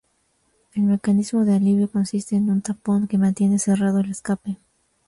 El mecanismo de alivio consiste en un tapón que mantiene cerrado el escape.